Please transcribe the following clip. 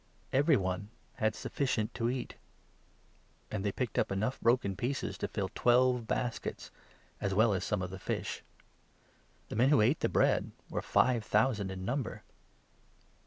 Every one 42 had sufficient to eat ; and they picked up enough broken 43 pieces to fill twelve baskets, as well as some of the fish. The 44 men who ate the bread were five thousand in number.